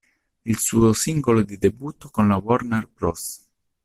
Il suo singolo di debutto con la Warner Bros.